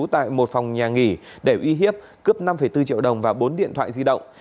tại một phòng nhà nghỉ để uy hiếp cướp năm bốn triệu đồng và bốn điện thoại di động